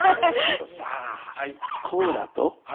さあコーラと？